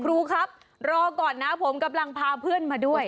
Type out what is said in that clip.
ครูครับรอก่อนนะผมกำลังพาเพื่อนมาด้วย